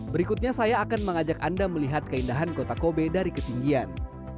berikutnya saya akan mengajak anda melihat keindahan kota kobe dari ketinggian